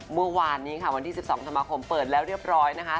เมื่อวานนี้ค่ะวันที่๑๒ธันวาคมเปิดแล้วเรียบร้อยนะคะ